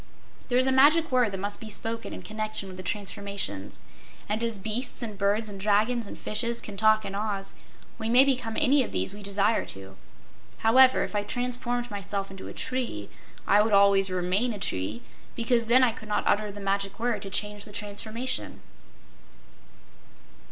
There's a magic word that must be spoken in connection with the transformations, and as beasts and birds and dragons and fishes can talk in Oz, we may become any of these we desire to. However, if I transformed myself into a tree, I would always remain a tree, because then I could not utter the magic word to change the transformation."